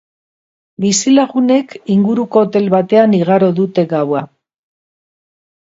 Bizilagunek inguruko hotel batean igaro dute gaua.